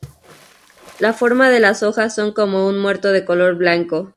La forma de las hojas son como un muerto de color blanco.